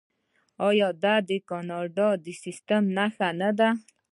آیا دا د کاناډا د سیستم نښه نه ده؟